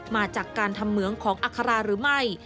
มาจากการทำเหมืองของอัคราหรือไม่